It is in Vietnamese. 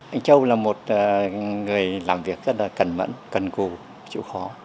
anh châu là một người làm việc rất là cẩn mẫn cẩn cù chịu khó